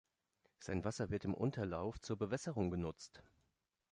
Sein Wasser wird im Unterlauf zur Bewässerung genutzt.